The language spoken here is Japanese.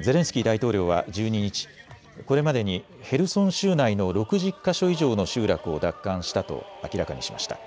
ゼレンスキー大統領は１２日、これまでにヘルソン州内の６０か所以上の集落を奪還したと明らかにしました。